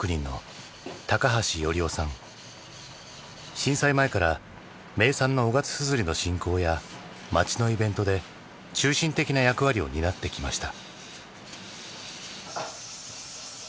震災前から名産の雄勝硯の振興や町のイベントで中心的な役割を担ってきました。